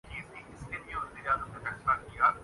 معیشتوں نے یہی ماڈل اپنایا ہے۔